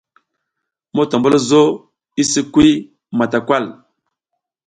Motombulzo i sikwi matakay.